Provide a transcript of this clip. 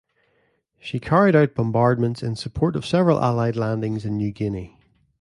She carried out bombardments in support of several Allied landings in New Guinea.